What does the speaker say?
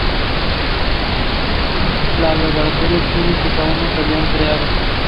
Un laboratorio químico que aún no se había creado.